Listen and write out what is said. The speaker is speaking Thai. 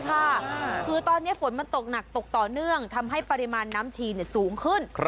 คือตอนนี้ฝนมันตกหนักตกต่อเนื่องทำให้ปริมาณน้ำชีสูงขึ้น